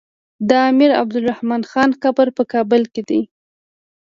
د امير عبدالرحمن خان قبر په کابل کی دی